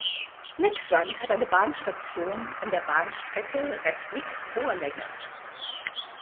Leksand hat eine Bahnstation an der Bahnstrecke Rättvik–Borlänge.